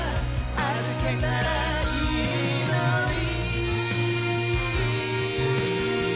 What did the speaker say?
「歩けたらいいのに」